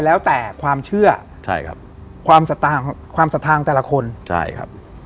แล้วแต่ความเชื่อใช่ครับความสัทธาของความศรัทธาแต่ละคนใช่ครับ